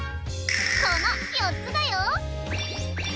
このよっつだよ！